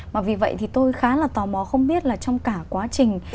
và vì vậy thì tôi khá là tò mò không biết là trong cả quá trình